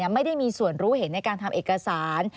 ไม่ได้มีส่วนรู้เห็นในการทำเอกสาร